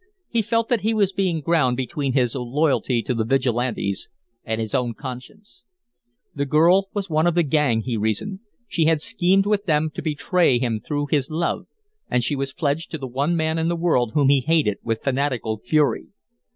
He felt that he was being ground between his loyalty to the Vigilantes and his own conscience. The girl was one of the gang, he reasoned she had schemed with them to betray him through his love, and she was pledged to the one man in the world whom he hated with fanatical fury.